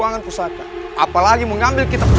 aku harus menggunakan ajem pabuk kasku